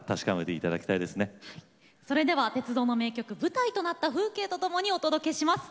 鉄道の名曲舞台となった風景とともにお届けします。